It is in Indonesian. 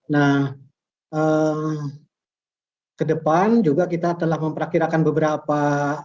nah ke depan juga kita telah memperkirakan beberapa